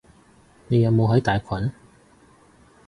你有冇喺大群？